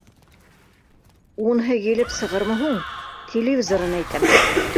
— Уныһы килеп сығырмы һуң? Телевизорын әйтәм